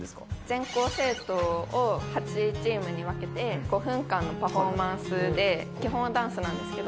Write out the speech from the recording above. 全校生徒を８チームに分けて５分間のパフォーマンスで基本はダンスなんですけど。